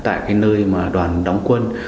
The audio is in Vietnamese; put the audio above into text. tại cái nơi mà đoàn đóng quân